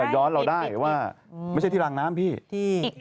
ย้อนเราได้ว่าไม่ใช่ที่รางน้ำพี่